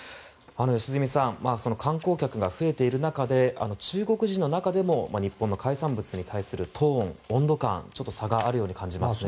良純さん観光客が増えている中で中国人の中でも日本の海産物に対するトーン温度感にちょっと差があるように感じますね。